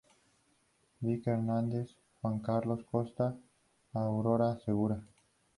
Vicky Hernández, Juan Carlos Costa, Aurora Segura.